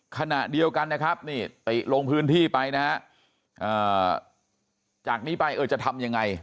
ขณะเดียวกันนะครับนี่ติลงพื้นที่ไปนะฮะจากนี้ไปเออจะทำยังไง